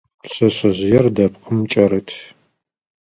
Пшъэшъэжъыер дэпкъым кӀэрыт.